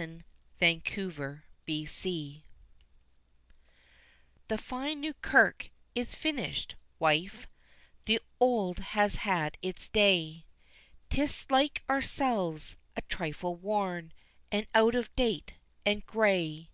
In the Old Church "The fine new kirk is finished, wife the old has had its day, 'Tis like ourselves, a trifle worn, and out of date, and gray.